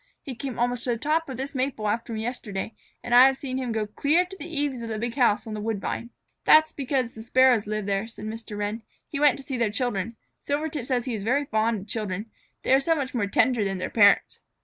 He came almost to the top of this maple after me yesterday, and I have seen him go clear to the eaves of the big house on the woodbine." "That is because the Sparrows live there," said Mr. Wren. "He went to see their children. Silvertip says that he is very fond of children they are so much more tender than their parents."